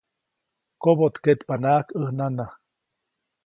Koboʼtkeʼtpanaʼajk ʼäj nana.